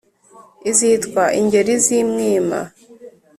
izitwa ingeri z’ i mwima,